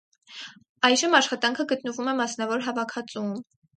Այժմ աշխատանքը գտնվում է մասնավոր հավաքածուում։